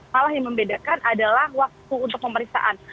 malah yang membedakan adalah waktu untuk pemeriksaan